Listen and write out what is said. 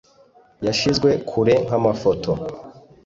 yashizwe kure nkamafoto